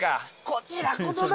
こちらこそだよ。